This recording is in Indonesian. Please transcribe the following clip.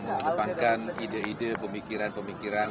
mengedepankan ide ide pemikiran pemikiran